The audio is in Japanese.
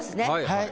はい。